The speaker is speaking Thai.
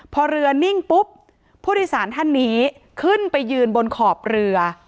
พอเรือนิ่งปุ๊บผู้โดยสารท่านนี้ขึ้นไปยืนบนขอบเรือ